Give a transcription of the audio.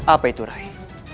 apa itu rai